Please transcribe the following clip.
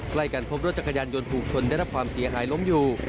ใกล้กันพบรถจักรยานยนต์ถูกชนได้รับความเสียหายล้มอยู่